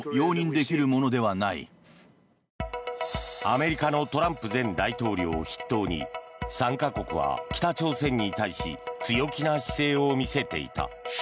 アメリカのトランプ前大統領を筆頭に３か国は北朝鮮に対し強気な姿勢を見せていた。